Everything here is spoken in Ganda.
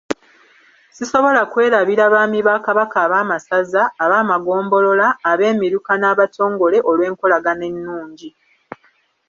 Sisobola kwerabira Baami ba Kabaka Abaamasaza, Abaamagombolola, Abeemiruka n’Abatongole olwenkolagana ennungi. .